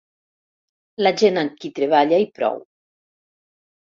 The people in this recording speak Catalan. La gent amb qui treballa i prou.